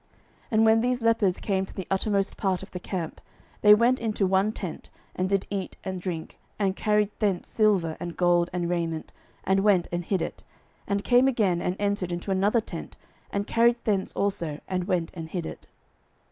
12:007:008 And when these lepers came to the uttermost part of the camp, they went into one tent, and did eat and drink, and carried thence silver, and gold, and raiment, and went and hid it; and came again, and entered into another tent, and carried thence also, and went and hid it.